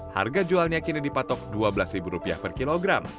harga jualnya kini dipatok rp dua belas per kilogram